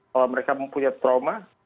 kalau mereka mempunyai trauma